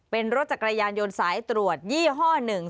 เป็นรถจักรยานยนต์สายตรวจยี่ห้อหนึ่ง